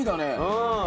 うん。